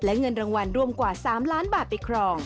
และเงินรางวัลรวมกว่า๓ล้านบาทไปครอง